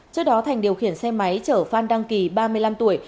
trước đó thành điều khiển xe máy chở phan đăng kỳ ba mươi năm tuổi